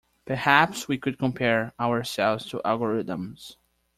Perhaps we could compare our cells to algorithms.